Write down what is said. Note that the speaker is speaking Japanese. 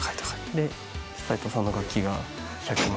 で齋藤さんの楽器が１００万。